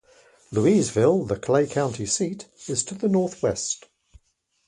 Louisville, the Clay County seat, is to the northwest.